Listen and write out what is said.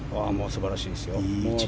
素晴らしいですよ。